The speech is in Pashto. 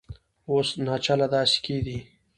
اوس ناچله دا سکې دي